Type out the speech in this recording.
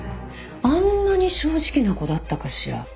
あんなに正直な子だったかしら。